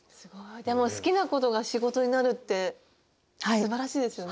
でも好きなことが仕事になるってすばらしいですよね。